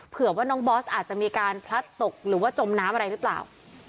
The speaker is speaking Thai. เผื่อว่าน้องบอสอาจจะมีการพลัดตกหรือว่าจมน้ำอะไรหรือเปล่า